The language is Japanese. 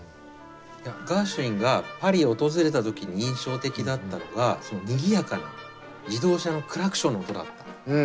ガーシュウィンがパリを訪れた時に印象的だったのがにぎやかな自動車のクラクションの音だった。